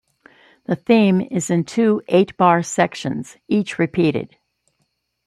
The theme is in two eight-bar sections, each repeated.